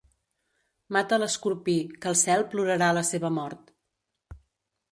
Mata l'escorpí, que el cel plorarà la seva mort.